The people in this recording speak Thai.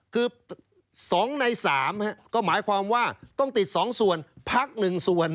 คือ๒ใน๓ก็หมายความว่าต้องติด๒ส่วนพัก๑ส่วน